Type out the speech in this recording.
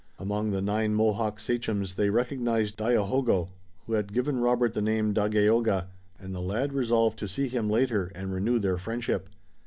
Among the nine Mohawk sachems they recognized Dayohogo, who had given Robert the name Dagaeoga, and the lad resolved to see him later and renew their friendship.